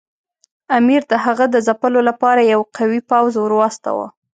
امیر د هغه د ځپلو لپاره یو قوي پوځ ورواستاوه.